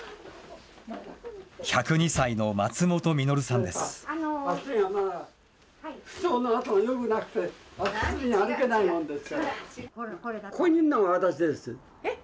１０２歳の松本實さんです。